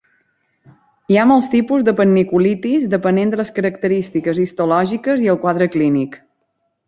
Hi ha molts tipus de panniculitis depenent de les característiques histològiques i el quadre clínic.